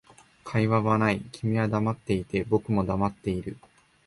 会話はない、君は黙っていて、僕も黙っている